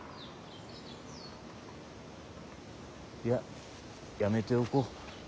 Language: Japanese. いややめておこう。